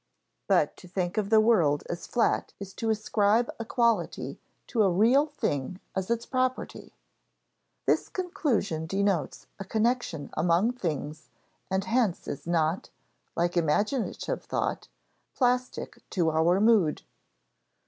But to think of the world as flat is to ascribe a quality to a real thing as its real property. This conclusion denotes a connection among things and hence is not, like imaginative thought, plastic to our mood.